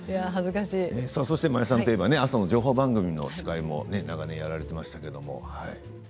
そして真矢さんといえば朝の情報番組の司会も長年やられていましたけど。